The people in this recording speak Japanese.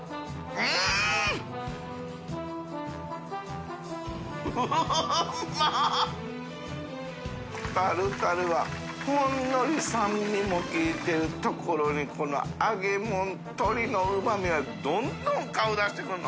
淵船礇鵝タルタルはほんのり酸味も効いてるところに海陵箸科鶏のうま味がどんどん顔出してくるの。